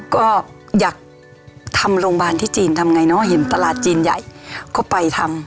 ก็อยากทำโรงพยาบาลที่จีนทำไงเนอะเห็นตลาดจีนใหญ่ก็ไปทำ